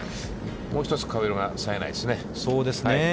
もう一つ顔色がさえないですね。